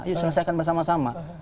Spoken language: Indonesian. ya selesaikan bersama sama